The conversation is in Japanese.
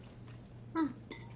うん。